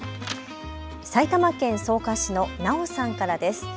埼玉県草加市のｎａｏさんからです。